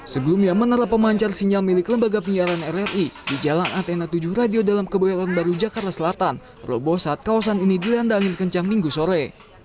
sebelumnya menara pemancar sinyal milik lembaga penyiaran rri di jalan athena tujuh radio dalam kebayoran baru jakarta selatan roboh saat kawasan ini dilanda angin kencang minggu sore